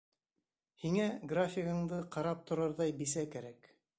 Һиңә графигыңды ҡарап торорҙай бисә кәрәк.